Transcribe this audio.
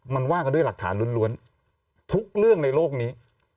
มันว่ากันด้วยหลักฐานล้วนทุกเรื่องในโลกนี้